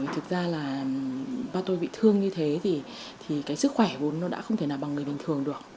thực ra là ba tôi bị thương như thế thì cái sức khỏe vốn nó đã không thể nào bằng người bình thường được